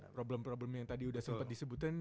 problem problem yang tadi udah sempet disebutin